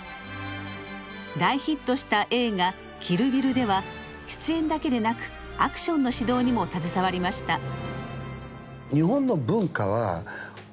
大ヒットした映画「キル・ビル」では出演だけでなくアクションの指導にも携わりました。